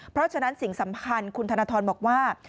เพราะฉะนั้นสิ่งสำคัญคุณธนทรบอกว่า